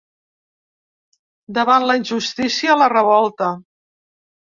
Davant la injustícia, la revolta.